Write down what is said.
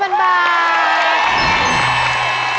พี่จะถามเอิญนี้